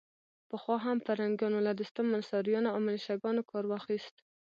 پخوا هم پرنګیانو له دوستم، منصوریانو او ملیشه ګانو کار واخيست.